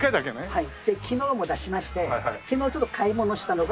はい。